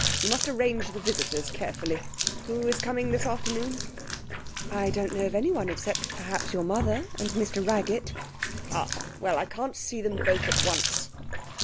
You must arrange the visitors carefully. Who is coming this afternoon?' 'I don't know of anyone, except perhaps your mother, and Mr Raggett.' 'Ah! Well, I can't see them both at once.'